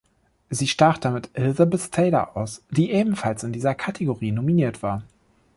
Sie stach damit Elizabeth Taylor aus, die ebenfalls in dieser Kategorie nominiert war.